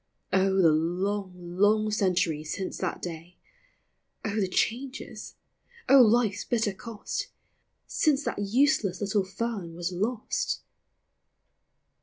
O, the long, long centuries since that day ! O, the changes ! O, life's bitter cost, Since that useless little fern was lost